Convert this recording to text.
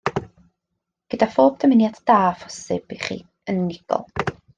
Gyda phob dymuniad da posibl i chi yn unigol